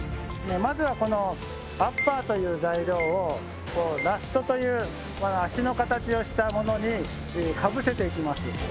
まずはこのアッパーという材料をラストという足の形をしたものにかぶせていきます